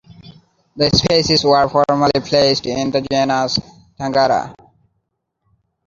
These species were formerly placed in the genus "Tangara".